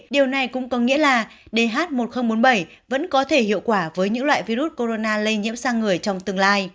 điều này cũng có nghĩa là dh một nghìn bốn mươi bảy vẫn có thể hiệu quả với những loại virus corona lây nhiễm sang người trong tương lai